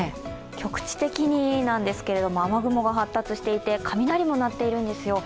局地的になんですけど雨雲が発達していて雷も鳴っているんですよ。